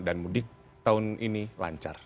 dan mudik tahun ini lancar